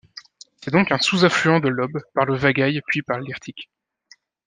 C'est donc un sous-affluent de l'Ob par le Vagaï puis par l'Irtych.